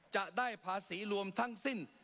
จะได้ภาษีรวมทั้งสิ้น